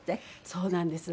そうなんです。